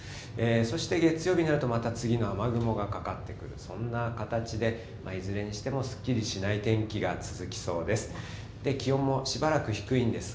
そして月曜日になると、また次の雨雲がかかってくる、そんな形で、いずれにしてもすっきりしない天気が続きそうです。